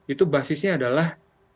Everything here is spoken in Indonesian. itu basisnya adalah